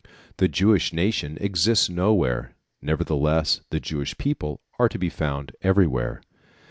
The Jewish nation exists nowhere, nevertheless, the Jewish people are to be found everywhere.